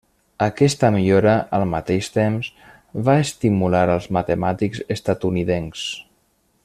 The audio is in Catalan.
Aquesta millora, al mateix temps, va estimular als matemàtics estatunidencs.